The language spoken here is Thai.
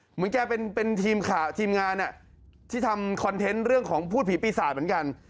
เหมือนแกเป็นทีมงานที่ทำคอนเทนต์เรื่องของพูดผีปีศาจเหมือนกัน